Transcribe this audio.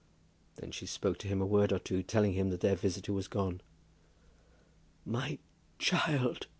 Then she spoke to him a word or two, telling him that their visitor was gone. "My child!"